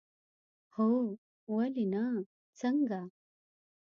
هو، ولې نه، څنګه؟